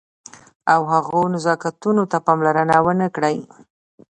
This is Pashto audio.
او هغو نزاکتونو ته پاملرنه ونه کړئ.